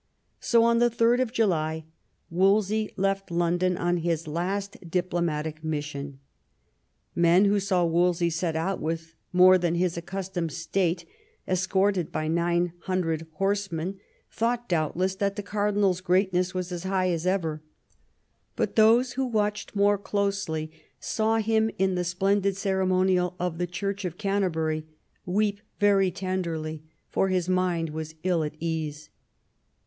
So, on 3d July, Wolsey left London on his last diplomatic mission. Men who saw Wolsey set out with more than his accustomed state, escorted by nine hundred horsemen, thought^ doubt less, that the cardinal's greatness was as high as ever ; but those who watched more closely saw him in the splendid ceremonial of the Church of Canterbury " weep very tenderly," for his mind was ill at ease.